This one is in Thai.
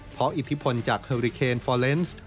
เพราะอิทธิพลจากเฮอริเคนฟอร์เลนส์